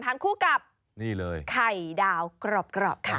ทานคู่กับไข่ดาวกรอบกรอบค่ะ